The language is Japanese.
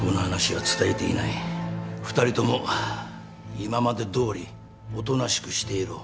２人とも今までどおりおとなしくしていろ。